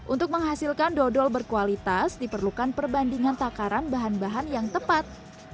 untuk menghasilkan dodol berkualitas diperlukan perbandingan takaran bahan bahan yang tepat